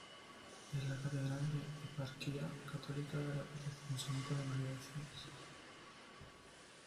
Es la catedral de Eparquía católica de la Protección Santa de María de Phoenix.